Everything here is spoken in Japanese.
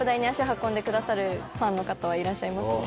の方はいらっしゃいますね。